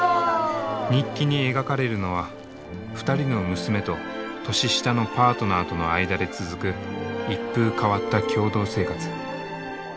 日記に描かれるのは２人の娘と年下のパートナーとの間で続く一風変わった共同生活。